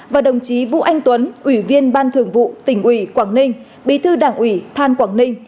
và đồng chí vũ anh tuấn ủy viên ban thường vụ tỉnh ủy quảng ninh bí thư đảng ủy than quảng ninh